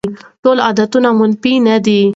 ټول عایدات منفي نه دي.